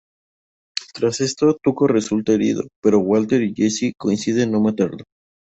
Tras esto, Tuco resulta herido, pero Walter y Jesse deciden no matarlo.